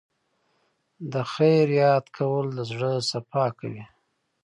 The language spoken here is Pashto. د خیر یاد کول د زړه صفا کوي.